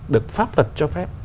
được pháp luật cho phép